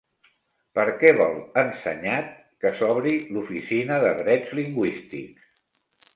Per què vol Ensenyat que s'obri l'Oficina de Drets Lingüístics?